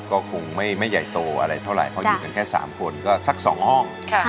ก็คงไม่ใหญ่โตอะไรเท่าไหร่เพราะอยู่กันแค่๓คนก็สัก๒ห้อง